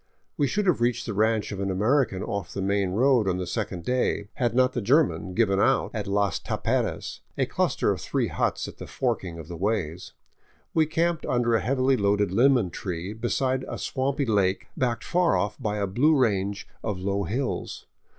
We should have reached the ranch of an Amer ican off the main trail on the second day, had not the German given out at Las Taperas, a cluster of three huts at the forking of the ways. We camped under a heavily loaded lemon tree, beside a swampy lake backed far off by a blue range of low hills.